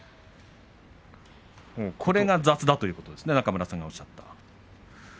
これが雑だということですか、中村さんがおっしゃった。